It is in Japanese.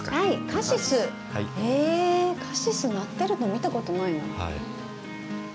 カシスなってるの見たことないな。